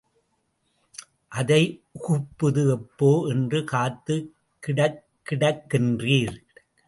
அதை உகுப்பது எப்போது என்று காத்துக் கிடக் கிடக்கின்றீர்.